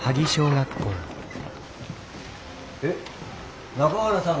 え中原さん